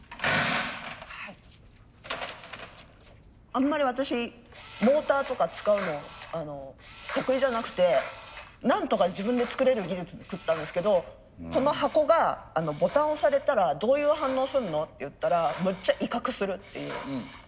あんまり私モーターとか使うの得意じゃなくてなんとか自分で作れる技術で作ったんですけどこの箱がボタンを押されたらどういう反応するのっていったらむっちゃ威嚇するっていう。